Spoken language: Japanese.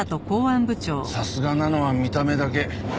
さすがなのは見た目だけ。